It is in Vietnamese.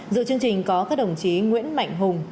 dự chương trình có các đồng chí nguyễn mạnh hùng